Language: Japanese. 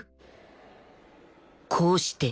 こうして